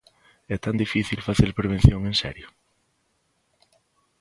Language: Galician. ¿É tan difícil facer prevención en serio?